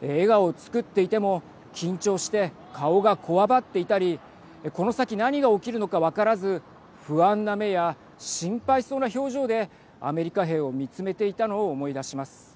笑顔をつくっていても緊張して、顔がこわばっていたりこの先、何が起きるのか分からず不安な目や心配そうな表情でアメリカ兵を見つめていたのを思い出します。